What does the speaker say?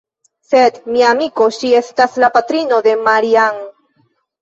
sed, mia amiko, ŝi estas la patrino de Maria-Ann!